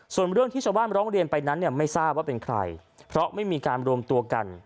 ส่วนเรื่องที่ชาวบ้านร้องเรียนไปนั้นเนี่ยไม่ทราบว่าเป็นใครเพราะไม่มีการรวมตัวกัน